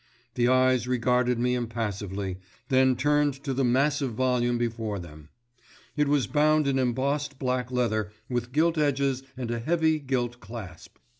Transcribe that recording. The eyes regarded me impassively, then turned to the massive volume before them. It was bound in embossed black leather with gilt edges and a heavy gilt clasp.